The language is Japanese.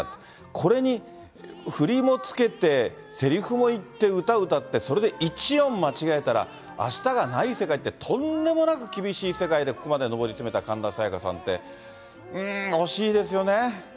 これに振りもつけて、せりふも言って、歌歌って、それで一音間違えたら、あしたがない世界って、とんでもなく厳しい世界で、ここまで上り詰めた神田沙也加さんって、うーん、惜しいですよね。